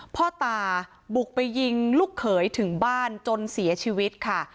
พ่อตาบุกไปยิงลูกเขยถึงบ้านจนเสียชีวิตค่ะ